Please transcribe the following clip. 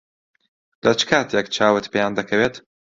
لە چ کاتێک چاوت پێیان دەکەوێت؟